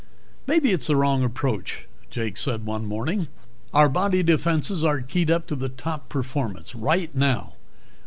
"Maybe it's the wrong approach," Jake said one morning. "Our body defenses are keyed up to top performance right now.